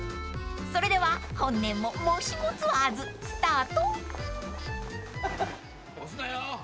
［それでは本年も『もしもツアーズ』スタート］